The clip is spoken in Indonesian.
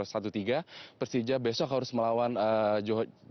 dan kemudian persija besok harus melawan johor bahru